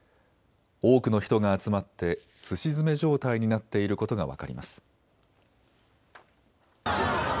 多くの人が集まってすし詰め状態になっていることが分かります。